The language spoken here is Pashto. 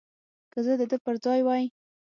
که زه د ده پر ځای وای.